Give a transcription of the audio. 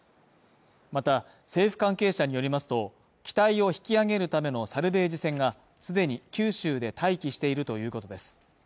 また、政府関係者によりますと、機体を引き上げるためのサルベージ船が既に九州で待機しているということです。